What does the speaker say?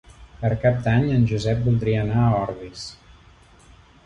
Per Cap d'Any en Josep voldria anar a Ordis.